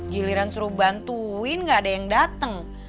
giliran suruh bantuin gak ada yang datang